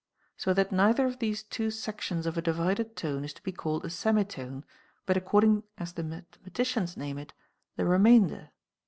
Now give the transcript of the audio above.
So that neither of these two sections of a divided tone is to be called a semi tone, but according as the mathematicians name it, the remainder.